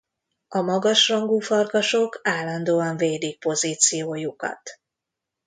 A magas rangú farkasok állandóan védik pozíciójukat.